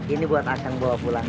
ini buat akan bawa pulang